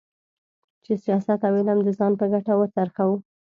چې سیاست او علم د ځان په ګټه وڅرخوو.